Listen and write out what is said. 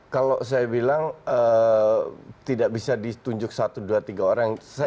kalau saya bilang tidak bisa ditunjuk satu dua tiga orang